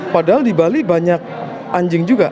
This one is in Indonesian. padahal di bali banyak anjing juga